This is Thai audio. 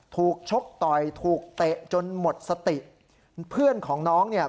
ชกต่อยถูกเตะจนหมดสติเพื่อนของน้องเนี่ย